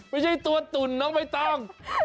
ไม่ใช่ตัวตุ่นเนอะไม่ต้อง